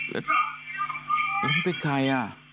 แล้วเป็นใคร